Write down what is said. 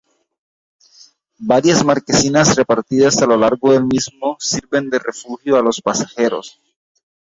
Varias marquesinas repartidas a lo largo del mismo sirven de refugio a los pasajeros.